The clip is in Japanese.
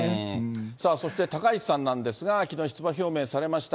そして高市さんなんですが、きのう出馬表明されました、